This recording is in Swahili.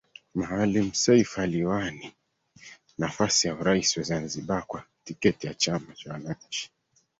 Maalim Seif aliwani nafasi ya urais wa Zanzibar kwa tiketi ya Chama cha Wananchi